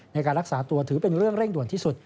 ในการรักษาตัวถือเป็นเรื่องเร่งด่วนที่สุด